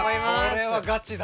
これはガチだ